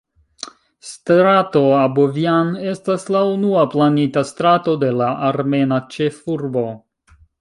Strato Abovjan estas la unua planita strato de la armena ĉefurbo.